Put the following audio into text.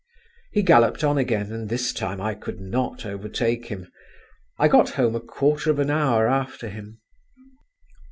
He galloped on again, and this time I could not overtake him; I got home a quarter of an hour after him.